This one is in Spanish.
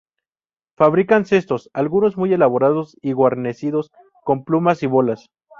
Fabricaban cestos, algunos muy elaborados y guarnecidos con plumas y bolas.